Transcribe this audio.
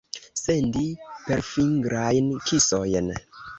Sendi perfingrajn kisojn.